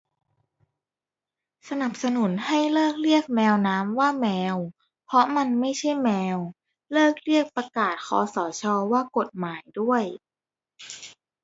สนับสนุนให้เลิกเรียก แมวน้ำ ว่า แมว เพราะมันไม่ใช่แมว เลิกเรียกประกาศคสชว่ากฎหมายด้วย